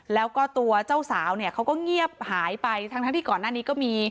แล้วก็ตัวเจ้าสาวเนี่ยเขาก็เงียบหายไปทั้งที่ก่อนหน้านี้ก็มี